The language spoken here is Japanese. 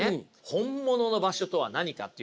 本物の場所とは何かっていうのをね